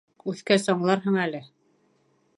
Үҫкәс, аңларһың әле...